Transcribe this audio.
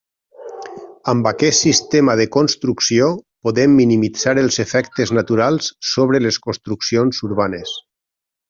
Amb aquest sistema de construcció, podem minimitzar els efectes naturals sobre les construccions urbanes.